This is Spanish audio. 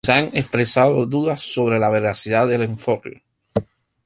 Se han expresado dudas sobre la veracidad del enfoque.